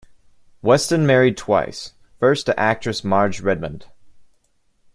Weston married twice, first to actress Marge Redmond.